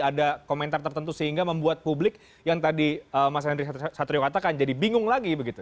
ada komentar tertentu sehingga membuat publik yang tadi mas henry satrio katakan jadi bingung lagi begitu